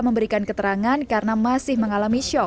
memberikan keterangan karena masih mengalami shock